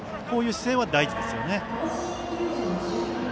こういう姿勢は大事ですよね。